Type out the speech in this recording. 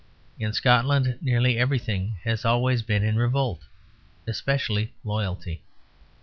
In Scotland nearly everything has always been in revolt especially loyalty.